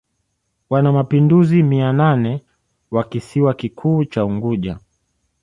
wanamapinduzi mia nane wa kisiwa kikuu cha Unguja